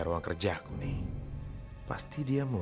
loh bukan itu